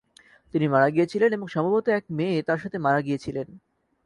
তিনি মারা গিয়েছিলেন এবং সম্ভবত এক মেয়ে তাঁর সাথে মারা গিয়েছিলেন।